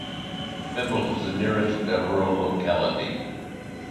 Vympel is the nearest rural locality.